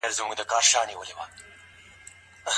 د اولادونو د روزني مصارف څوک پرې کوي؟